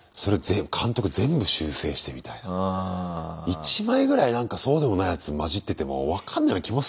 １枚ぐらいなんかそうでもないやつまじってても分かんないような気もす。